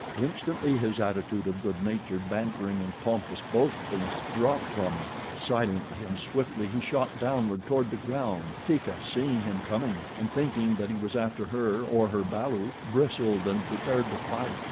Instantly his attitude of good natured bantering and pompous boastfulness dropped from him. Silently and swiftly he shot downward toward the ground. Teeka, seeing him coming, and thinking that he was after her or her balu, bristled and prepared to fight.